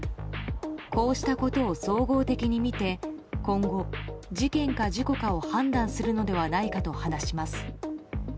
こうしたことを総合的に見て今後、事件か事故かを判断するのではないかと話します。